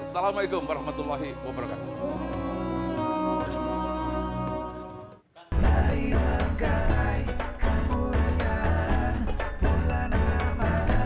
assalamu'alaikum warahmatullahi wabarakatuh